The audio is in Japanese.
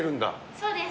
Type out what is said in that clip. そうです。